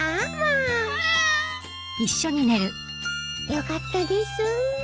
よかったです。